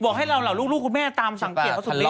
บอกให้เราเราลูกคุณแม่ตามสังเกตเขาสุดฤทธิ์